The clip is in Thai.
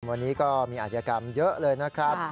วันนี้ก็มีอาชญากรรมเยอะเลยนะครับ